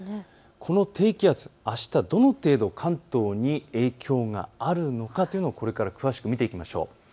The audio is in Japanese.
この低気圧、あしたどの程度関東に影響があるのかというのをこれから詳しく見ていきます。